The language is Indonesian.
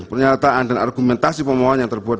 pernyataan dan argumentasi pemohon yang terbuat